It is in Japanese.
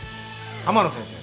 天野先生の。